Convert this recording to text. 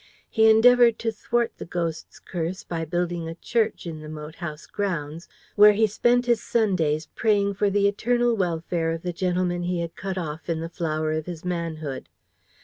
He endeavoured to thwart the ghost's curse by building a church in the moat house grounds, where he spent his Sundays praying for the eternal welfare of the gentleman he had cut off in the flower of his manhood.